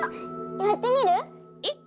やってみる？え？